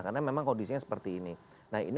karena memang kondisinya seperti ini nah ini